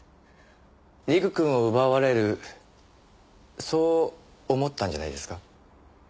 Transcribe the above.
陸くんを奪われるそう思ったんじゃないですか？